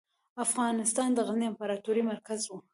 افغانستان د غزني امپراتورۍ مرکز و.